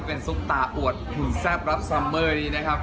เป็นซุปตาอวดหุ่นแซ่บรับซัมเมอร์นี้นะครับ